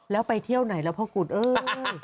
แล้วไปเที่ยวไหนแล้วพ่อคุณเอ้ย